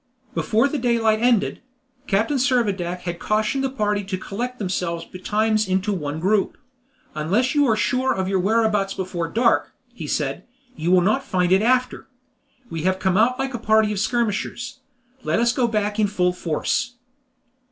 Before the daylight ended. Captain Servadac had cautioned the party to collect themselves betimes into one group. "Unless you are sure of your whereabouts before dark," he said, "you will not find it after. We have come out like a party of skirmishers; let us go back in full force."